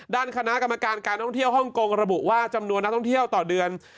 ด้านคณะกรรมการการท่องเที่ยวฮ่องกงระบุว่าจำนวนนักท่องเที่ยวต่อเดือน